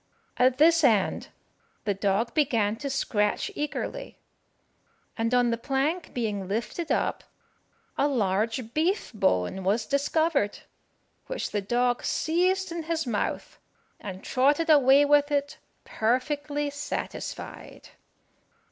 At this end the dog began to scratch eagerly; and on the plank being lifted up, a large beef bone was discovered, which the dog seized in his mouth, and trotted away with it perfectly satisfied.